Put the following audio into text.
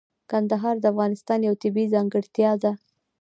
کندهار د افغانستان یوه طبیعي ځانګړتیا ده.